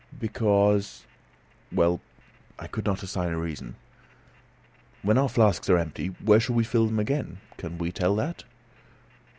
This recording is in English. "Because " Well, I could not assign a reason. "When our flasks are empty, where shall we fill them again? Can we tell that?"